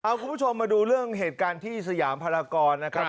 เอาคุณผู้ชมมาดูเรื่องเหตุการณ์ที่สยามพลากรนะครับ